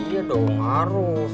iya dong harus